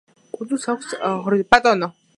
კუნძულს აქვს ჰორიზონტალურად გადაჭიმული ოვალური ფორმა.